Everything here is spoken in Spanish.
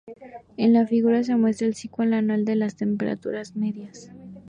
En la Figura se muestra el ciclo anual de temperaturas medias.